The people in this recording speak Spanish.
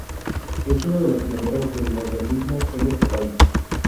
Es uno de los pioneros del modernismo en este país.